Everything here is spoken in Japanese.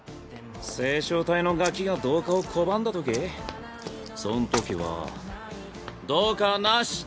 星漿体のガキが同化を拒んだそんときは同化はなし！